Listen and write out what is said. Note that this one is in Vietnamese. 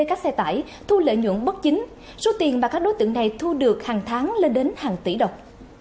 các xe tải thu lợi nhuận bất chính số tiền mà các đối tượng này thu được hàng tháng lên đến hàng tỷ đồng